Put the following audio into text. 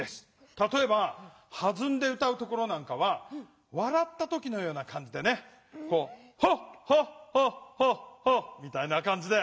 たとえばはずんで歌うところなんかはわらった時のような感じでこう「ハッハッハッハッハッ」みたいな感じで。